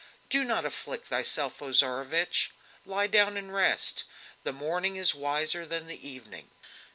"Do not afflict thyself, O Tsarevich! lie down and rest. The morning is wiser than the evening."